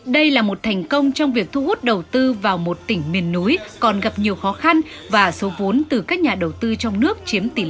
đây là một thành công trong việc thu hút đầu tư vào một tỉnh miền núi còn gặp nhiều khó khăn và số vốn từ các nhà đầu tư trong nước chiếm tỷ lệ lớn